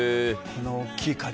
この大きい鍵。